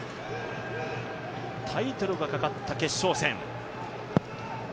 タイトルがかかった決勝戦。